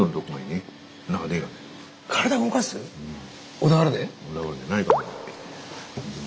小田原にないかな。